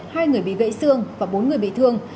hai người bị gãy xương và bốn người bị thương